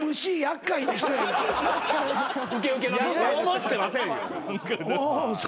思ってませんよ。